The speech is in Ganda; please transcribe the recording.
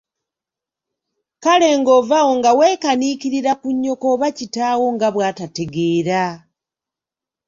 Kale ng'ova awo nga weekaniikiririra ku nnyoko oba kitaawo nga bwatategeera.